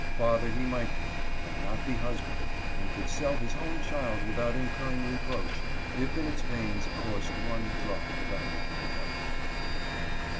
Father he might be, and not be husband, and could sell his own child without incurring reproach, if in its veins coursed one drop of African blood.